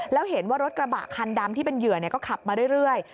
แล้วเห็นว่ารถกระบะคันดำที่เป็นเหยื่อก็ขับมาเรื่อย